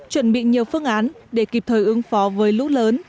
chuẩn bị nhiều phương án để kịp thời ứng phó với lũ lớn